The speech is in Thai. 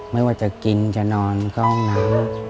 ไม่ว่าจะกินจะนอนก็ห้องน้ำ